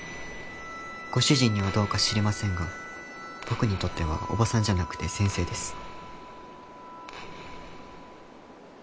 ご主人にはどうか知りませんが僕にとってはおばさんじゃなくて先生です。